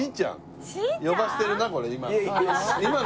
呼ばせてるなこれ今の。